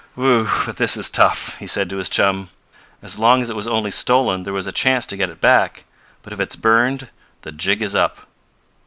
Whew! but this is tough!" he said to his chum. "As long as it was only stolen there was a chance to get it back, but if it's burned, the jig is up."